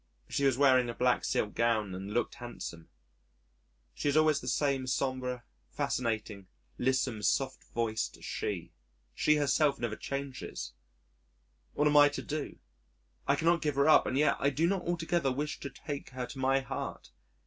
She was wearing a black silk gown and looked handsome.... She is always the same sombre, fascinating, lissom, soft voiced She! She herself never changes.... What am I to do? I cannot give her up and yet I do not altogether wish to take her to my heart.